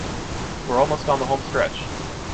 We're almost on the home stretch.